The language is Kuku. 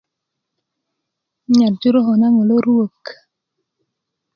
um nyarju roko na ŋo' loruwäk